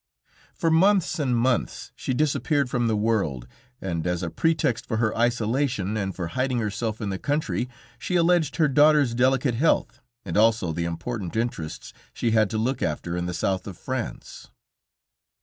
For months and months she disappeared from the world, and as a pretext for her isolation and for hiding herself in the country, she alleged her daughter's delicate health, and also the important interests she had to look after in the South of France.